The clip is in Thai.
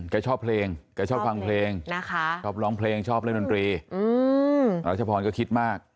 แกชอบเพลงแกชอบฟังเพลงนะคะชอบร้องเพลงชอบเล่นดนตรีรัชพรก็คิดมาก